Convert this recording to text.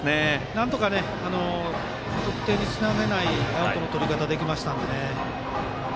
なんとか得点につなげないアウトのとり方ができました。